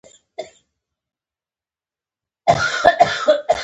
دا هوټل چې اوس موږ په کې یو ډېر عصري نه دی.